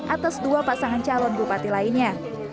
atas dua pasangan calon bupati lainnya